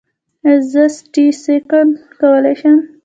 ایا زه سټي سکن کولی شم؟